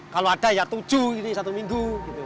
kalau ada ya tujuh ini satu minggu